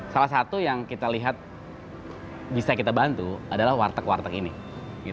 salah satu yang kita lihat bisa kita bantu adalah warteg warteg ini